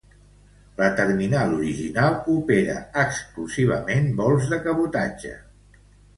La terminal original opera exclusivament vols de cabotatge.